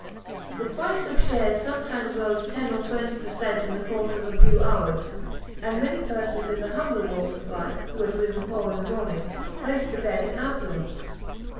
The price of shares sometimes rose ten or twenty per cent in the course of a few hours, and many persons in the humbler walks of life, who had risen poor in the morning, went to bed in affluence.